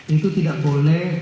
itu tidak boleh